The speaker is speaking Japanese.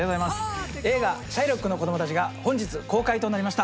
映画『シャイロックの子供たち』が本日公開となりました。